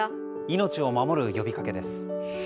命を守る呼びかけです。